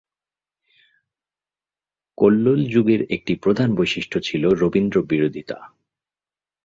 কল্লোল যুগের একটি প্রধান বৈশিষ্ট ছিল রবীন্দ্র বিরোধিতা।